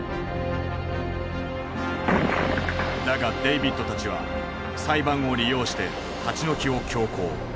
だがデイビッドたちは裁判を利用して立ち退きを強行。